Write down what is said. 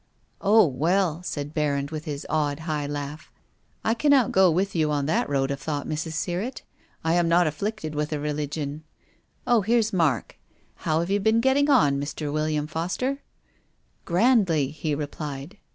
" Oh, well," said Berrand, with his odd, high laugh, " I cannot go with you on that road of thought, Mrs. Sirrctt. I am not afflicted with a religion. Oh, here's Mark. IIow have you been getting on, Mr. William Foster?" "Grandly," he replied.